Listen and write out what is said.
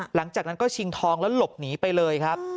หลังจากนั้นก็ชิงทองแล้วหลบหนีไปเลยครับ